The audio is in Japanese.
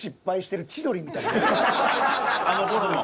あのころの。